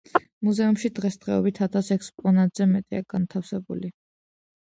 მუზეუმში დღესდღეობით ათას ექსპონატზე მეტია განთავსებული.